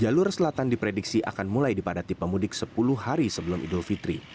jalur selatan diprediksi akan mulai dipadati pemudik sepuluh hari sebelum idul fitri